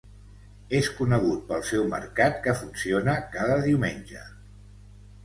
És conegut pel seu mercat, que funciona cada diumenge.